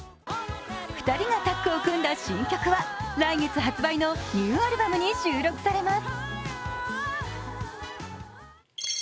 ２人がタッグを組んだ新曲は来月発売のニューアルバムに収録されます。